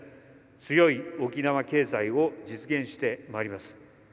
「強い沖縄経済」を実現してまいります。